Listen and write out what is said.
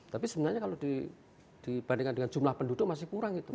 tapi sebenarnya kalau dibandingkan dengan jumlah penduduk masih kurang gitu